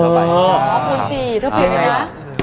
คูณ๔ถ้าเปลี่ยนเลยนะ